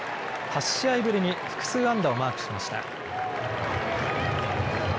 ８試合ぶりに複数安打をマークしました。